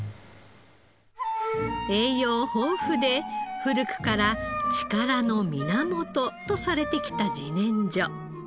栄養豊富で古くから力の源とされてきた自然薯。